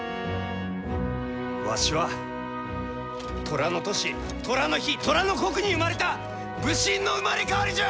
わしは寅の年寅の日寅の刻に生まれた武神の生まれ変わりじゃ！